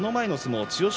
千代翔